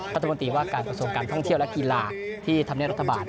พระธรรมตีว่าการประสงค์การท่องเที่ยวและกีฬาที่ทำเนื้อรัฐบาล